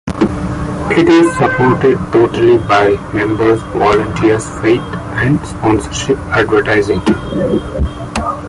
It is supported totally by members, volunteers, faith and sponsorship advertising.